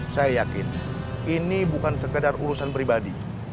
saya yakin ini bukan sekedar urusan pribadi